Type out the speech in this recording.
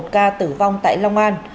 một ca tử vong tại long an